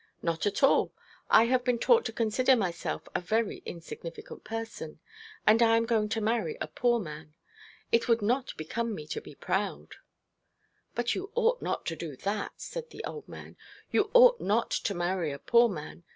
'Not at all. I have been taught to consider myself a very insignificant person; and I am going to marry a poor man. It would not become me to be proud.' 'But you ought not to do that,' said the old man. 'You ought not to marry a poor man.